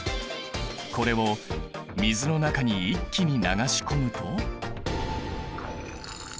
これを水の中に一気に流し込むと。